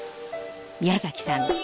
宮崎さん